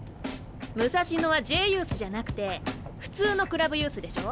武蔵野はＪユースじゃなくて普通のクラブユースでしょ？